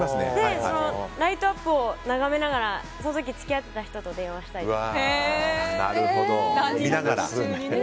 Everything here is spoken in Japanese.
ライトアップを眺めながらその時、付き合ってた人と電話したりとか。